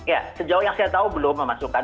ya sejauh yang saya tahu belum memasukkan